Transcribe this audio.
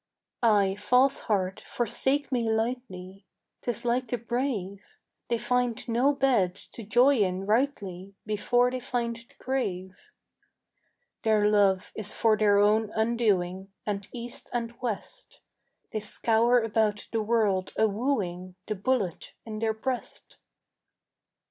"Ay, false heart, forsake me lightly: 'Tis like the brave. They find no bed to joy in rightly Before they find the grave. "Their love is for their own undoing. And east and west They scour about the world a wooing The bullet in their breast.